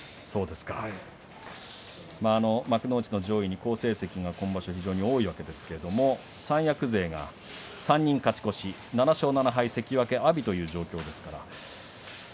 幕内の上位に好成績が今場所、非常に多いわけですけれども三役勢が３人勝ち越し、７勝７敗関脇阿炎という状況です。